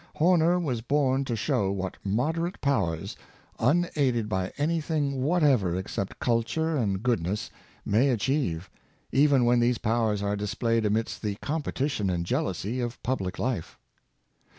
Hor ner was born to show what moderate powers, un aided by any thing whatever except culture and good ness, may achieve, even when these powers are dis played amidst the competition and jealousy of public life."